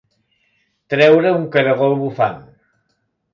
Treure un caragol bufant.